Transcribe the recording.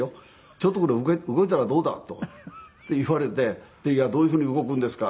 「ちょっとぐらい動いたらどうだ」と。って言われて「どういうふうに動くんですか？」